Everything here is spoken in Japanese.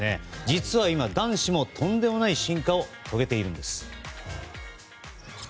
実は今、男子もとんでもない進化を遂げているんです。